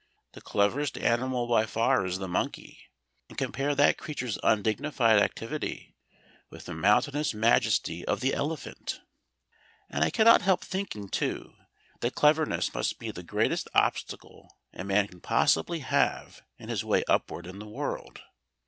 The cleverest animal by far is the monkey, and compare that creature's undignified activity with the mountainous majesty of the elephant! And I cannot help thinking, too, that cleverness must be the greatest obstacle a man can possibly have in his way upward in the world.